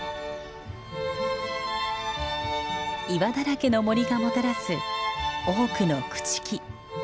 岩だらけの森がもたらす多くの朽ち木。